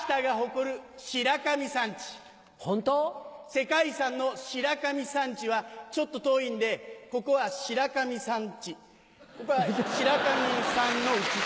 世界遺産の白神山地はちょっと遠いんでここは白神サンチここは白神さんの家。